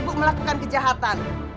ibu melakukan kejahatan